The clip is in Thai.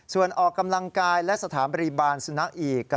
ส่วนออกกำลังกายและสถานบริบาลสุนัขอีก